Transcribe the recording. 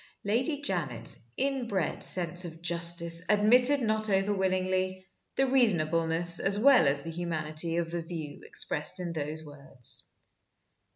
Lady Janet's inbred sense of justice admitted not over willingly the reasonableness as well as the humanity of the view expressed in those words.